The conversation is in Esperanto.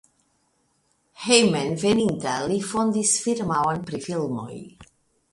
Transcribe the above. Hejmenveninta li fondis firmaon pri filmoj.